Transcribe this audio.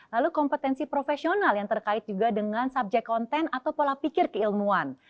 lalu kompetensi profesional yang terkait juga dengan subjek konten atau pola pikir keilmuan